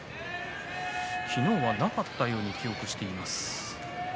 昨日はなかったように記憶しています。